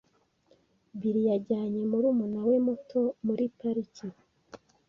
Bill yajyanye murumuna we muto muri pariki